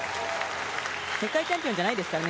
世界チャンピオンじゃないですからね。